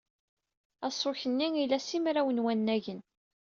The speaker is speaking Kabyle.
Aṣuk-nni ila simraw n wannagen.